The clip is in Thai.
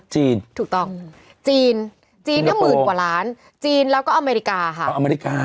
จีนถูกต้องจีนจีนก็หมื่นกว่าล้านจีนแล้วก็อเมริกาค่ะ